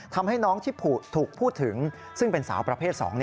ทำให้น้องที่ถูกพูดถึงซึ่งเป็นสาวประเภท๒